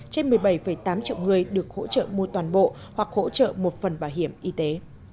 trên một mươi bảy tám triệu người được hỗ trợ mua toàn bộ hoặc hỗ trợ một phần bảo hiểm y tế